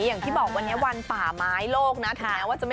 อย่างที่บอกวันนี้วันป่าไม้โลกนะคะ